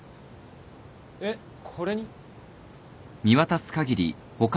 えっこれに？